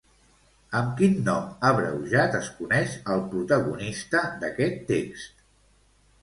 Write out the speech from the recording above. Amb quin nom abreujat es coneix al protagonista d'aquest text?